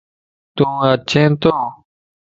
تُوا چين تو؟